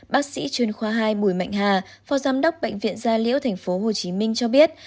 bác sĩ chuyên khoa hai bùi mạnh hà phó giám đốc bệnh viện gia liễu tp hcm cho biết